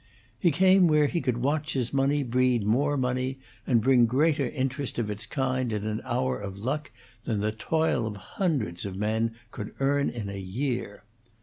He came where he could watch his money breed more money, and bring greater increase of its kind in an hour of luck than the toil of hundreds of men could earn in a year.